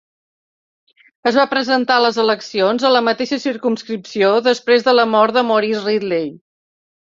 Es va presentar a les eleccions a la mateixa circumscripció després de la mort de Maurice Ridley.